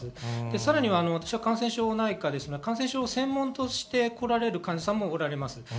さらに感染症内科で専門として来られる患者さんもおられます。